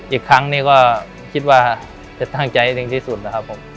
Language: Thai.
อีกครั้งนี้ก็คิดว่าจะตั้งใจให้ถึงที่สุดนะครับผม